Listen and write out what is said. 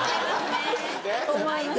思います。